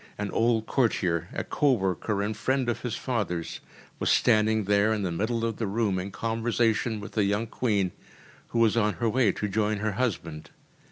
An old courtier, a co worker and friend of his father’s, was standing there in the middle of the room in conversation with the young Queen, who was on her way to join her husband.